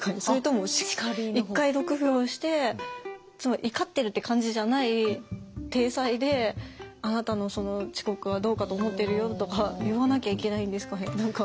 それとも一回６秒をして怒ってるって感じじゃない体裁であなたのその遅刻はどうかと思ってるよとか言わなきゃいけないんですかね？